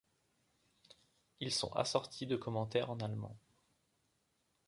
Ils sont assortis de commentaires en allemand.